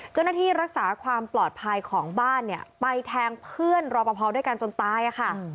เจ้าหน้าที่รักษาความปลอดภัยของบ้านเนี่ยไปแทงเพื่อนรอปภด้วยกันจนตายค่ะ